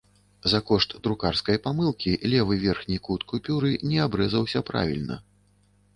За кошт друкарскай памылкі левы верхні кут купюры не абрэзаўся правільна.